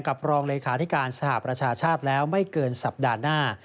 รองเลขาธิการสหประชาชาติแล้วไม่เกินสัปดาห์หน้า